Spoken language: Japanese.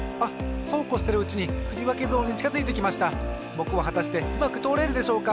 ぼくははたしてうまくとおれるでしょうか。